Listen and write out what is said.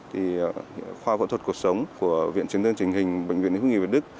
thì khoa phẫu thuật cuộc sống của viện chiến dân trình hình bệnh viện hương nghị việt đức